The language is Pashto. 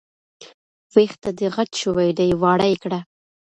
وېښته دې غټ شوي دي، واړه يې کړه